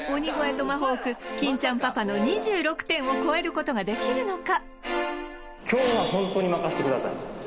トマホーク金ちゃんパパの２６点を超えることができるのか？